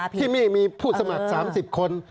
ที่นี่มีผู้สมัคร๓๐คน